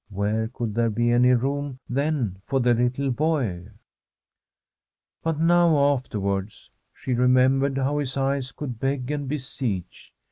Where could there be any room, then, for the little boy ? But now, afterwards, she remembered how his eyes could beg and beseech.